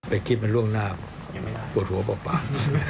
ไปคิดมันล่วงหน้าปวดหัวเบา